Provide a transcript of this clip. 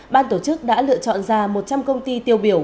ban tổ chức đã lựa chọn ra một trăm linh công ty tiêu biểu